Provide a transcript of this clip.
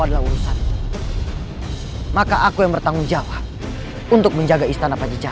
aku tidak akan pernah memberikanmu kesempatan kedua